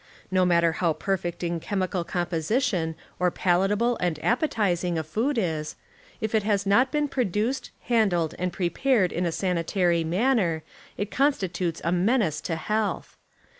No matter how perfect in chemical com jDOsition or palatable and appetizing a food is, if it has not been produced, handled, and prepared in a sanitari/ manner it con stitutes a menace to health.